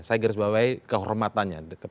saya garis bawahi kehormatannya